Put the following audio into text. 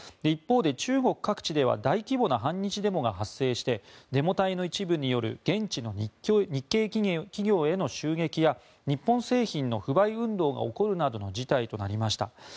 一方で、中国各地では大規模な反日デモが発生してデモ隊の一部による現地の日系企業への襲撃や日本製品の不買運動が起こるなどの事態となりました。